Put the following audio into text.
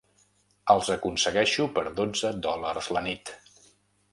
Els aconsegueixo per dotze dòlars la nit.